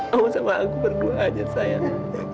kamu sama aku berdoa aja sayang